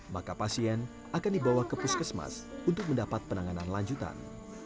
maka pasien akan dibawa ke puskesmas untuk mendapat penanganan lanjutan